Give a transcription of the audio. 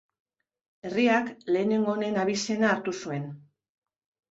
Herriak lehenengo honen abizena hartu zuen.